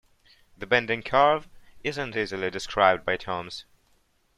The bending curve isn't easily described by terms.